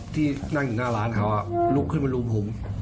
ที่นั่งอยู่หน้าร้านเขาลุกขึ้นมาลุมผม